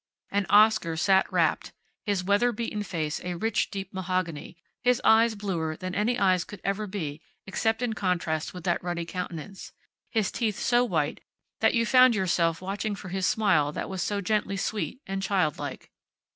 And Oscar sat rapt, his weather beaten face a rich deep mahogany, his eyes bluer than any eyes could ever be except in contrast with that ruddy countenance, his teeth so white that you found yourself watching for his smile that was so gently sweet and childlike.